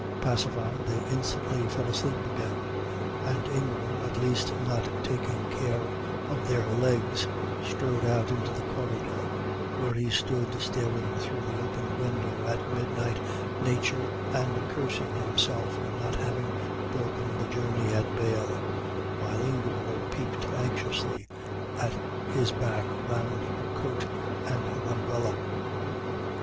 Pacified, they instantly fell asleep again; and Ingram, at least not taking care of their legs, strode out into the corridor, where he stood staring through the open window at midnight nature and cursing himself for not having broken the journey at Bâle, while Ingeborg peeped anxiously at his back round her coat and her umbrella.